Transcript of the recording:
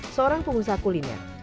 seorang pengusaha kuliner